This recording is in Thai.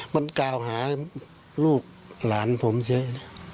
จุกในออกพูดอะไรไม่ออก